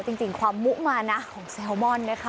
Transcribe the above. จริงความมุมานะของแซลมอนนะคะ